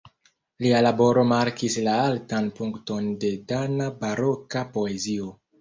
Lia laboro markis la altan punkton de dana baroka poezio.